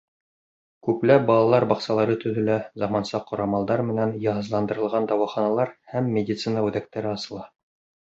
Күпләп балалар баҡсалары төҙөлә, заманса ҡорамалдар менән йыһазландырылған дауаханалар һәм медицина үҙәктәре асыла.